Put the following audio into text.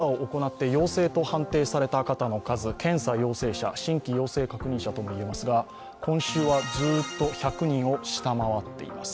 東京の検査を行って陽性と判定された人の数検査陽性者、新規陽性確認者とも言えますが今週はずっと１００人を下回っています。